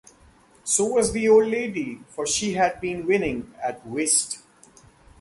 So was the old lady, for she had been winning at whist.